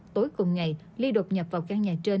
tối cùng ngày ly đột nhập vào căn nhà trên